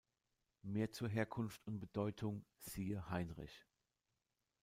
Mehr zur Herkunft und Bedeutung siehe Heinrich.